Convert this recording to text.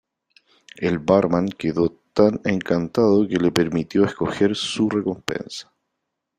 El brahmán quedó tan encantado que le permitió escoger su recompensa.